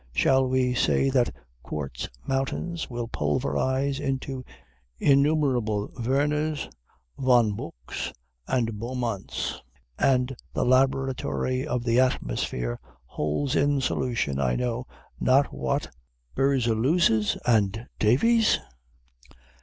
Shall we say that quartz mountains will pulverize into innumerable Werners, Von Buchs, and Beaumonts; and the laboratory of the atmosphere holds in solution I know not what Berzeliuses and Davys?